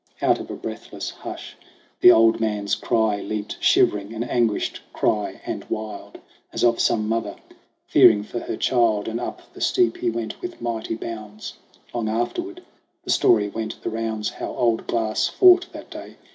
Out of a breathless hush, the old man's cry Leaped shivering, an anguished cry and wild As of some mother fearing for her child, And up the steep he went with mighty bounds. Long afterward the story went the rounds, How old Glass fought that day.